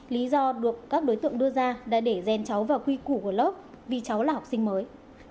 lý do được các đối tượng đưa ra là để gen cháu vào quy củ của lớp vì cháu là học sinh mới